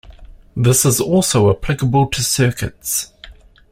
This is also applicable to circuits.